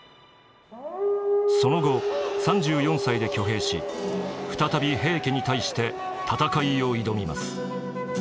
その後３４歳で挙兵し再び平家に対して戦いを挑みます。